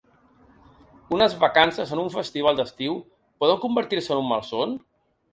Unes vacances en un festival d’estiu poden convertir-se en un malson?